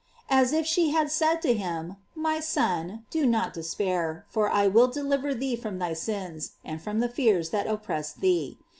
* As if she had said to him: My son, do not despair, for 1 will deliver thee from thy sins, and from the fears that oppress thee.